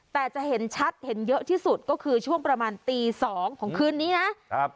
แต่จะเห็นชัดเห็นเยอะที่สุดก็คือช่วงประมาณตีสองของคืนนี้นะครับ